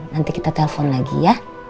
nanti kita telpon lagi ya